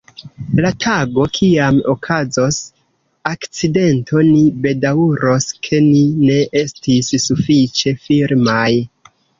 La tago, kiam okazos akcidento, ni bedaŭros, ke ni ne estis sufiĉe firmaj.